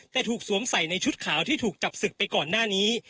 แต่ถูกสวมใส่ในชุดขาวที่ถูกจับศึกไปก่อนหน้านี้